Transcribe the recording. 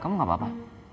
kamu gak apa apa